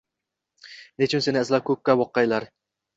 Nechun seni izlab ko‘kka boqqaylar